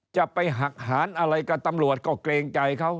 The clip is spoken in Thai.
จะไปหักหารอะไรกับตำรวจก็เกรงใจเขา